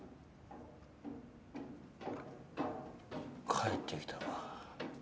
帰ってきたな。